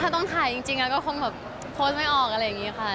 ถ้าต้องถ่ายจริงก็คงแบบโพสต์ไม่ออกอะไรอย่างนี้ค่ะ